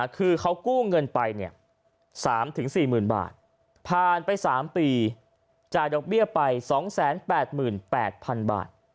คือเขากู้เงินไป๓๔๐๐๐บาทผ่านไป๓ปีจ่ายดอกเบี้ยไป๒๘๘๐๐๐บาท